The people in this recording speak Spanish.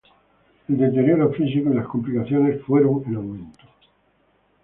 El deterioro físico y las complicaciones fueron en aumento.